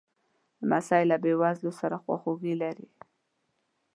لمسی له بېوزلو سره خواخوږي لري.